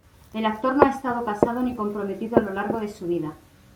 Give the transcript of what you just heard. El actor no ha estado casado ni comprometido a lo largo de su vida.